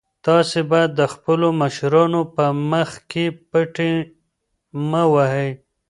تاسي باید د خپلو مشرانو په مخ کې پټې مه وهئ.